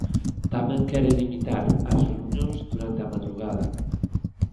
Tamén quere limitar as reunións durante a madrugada.